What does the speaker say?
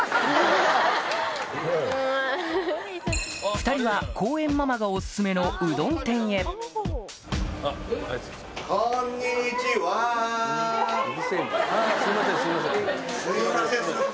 ２人は公園ママがオススメのうどん店へすいませんすいません。